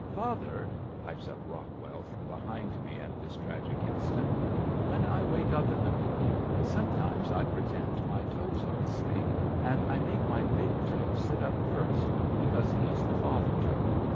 "Father," pipes up Rockwell from behind me at this tragic instant "when I wake up in the morning sometimes I pretend my toes are asleep, and I make my big toe sit up first because he's the father toe."